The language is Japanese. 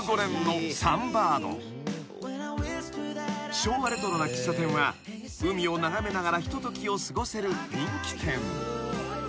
［昭和レトロな喫茶店は海を眺めながらひとときを過ごせる人気店］